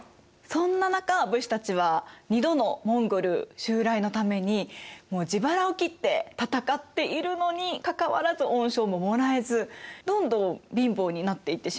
そんな中武士たちは２度のモンゴル襲来のために自腹を切って戦っているのにかかわらず恩賞ももらえずどんどん貧乏になっていってしまいますよね。